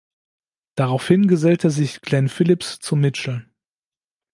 Daraufhin gesellte sich Glenn Phillips zu Mitchell.